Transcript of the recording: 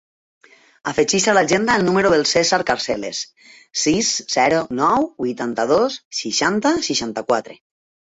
Afegeix a l'agenda el número del Cèsar Carceles: sis, zero, nou, vuitanta-dos, seixanta, seixanta-quatre.